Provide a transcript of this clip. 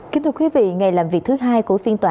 kính thưa quý vị ngày làm việc thứ hai của phiên tòa